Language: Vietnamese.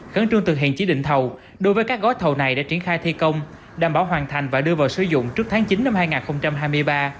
khẩn trương thực hiện chỉ định thầu đối với các gói thầu này đã triển khai thi công đảm bảo hoàn thành và đưa vào sử dụng trước tháng chín năm hai nghìn hai mươi ba